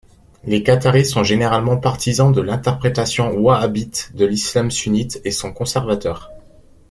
Les Qataris sont généralement partisans de l'interprétation wahhabite de l'islam sunnite et sont conservateurs.